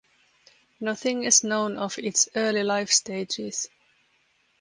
Nothing is known of its early life stages.